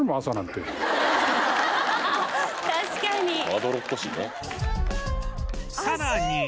さらに